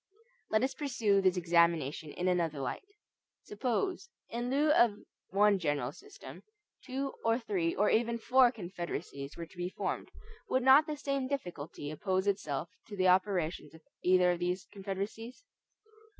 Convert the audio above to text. Let us pursue this examination in another light. Suppose, in lieu of one general system, two, or three, or even four Confederacies were to be formed, would not the same difficulty oppose itself to the operations of either of these Confederacies?